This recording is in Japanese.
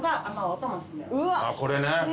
あぁこれね。